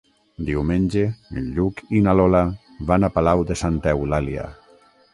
Diumenge en Lluc i na Lola van a Palau de Santa Eulàlia.